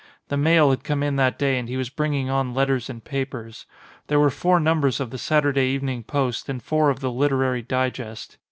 The mail had come in 134 THE STEANGEB, that day and he was bringing on letters and papers. There were four numbers of the Satur day Evenmg Post and four of the Literary Digest.